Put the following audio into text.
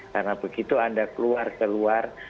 karena begitu anda keluar keluar